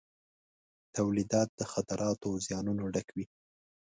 تولیدات د خطراتو او زیانونو ډک وي.